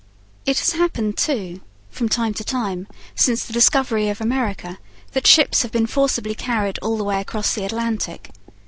It has happened, too, from time to time, since the discovery of America, that ships have been forcibly carried all the way across the Atlantic.